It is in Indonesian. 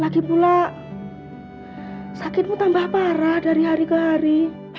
lagi pula sakitmu tambah parah dari hari ke hari